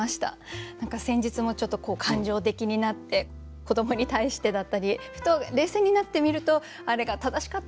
先日もちょっと感情的になって子どもに対してだったりふと冷静になってみるとあれが正しかったのかな？